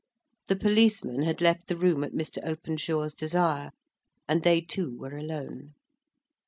The policeman had left the room at Mr. Openshaw's desire, and they two were alone.